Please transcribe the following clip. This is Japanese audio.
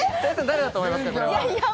誰だと思いますか？